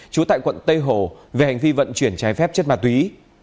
trú tại quận tây hồ về hành vi vận chuyển trái phép chất ma túy